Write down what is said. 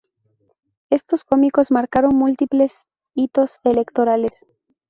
Estos comicios marcaron múltiples hitos electorales.